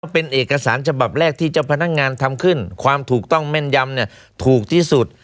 เป็นเอกสารฉบับแรกที่เจ้าพนักงานทำขึ้นความถูกต้องแม่นยำถูกที่สุด